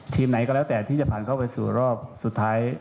ไหนก็แล้วแต่ที่จะผ่านเข้าไปสู่รอบสุดท้าย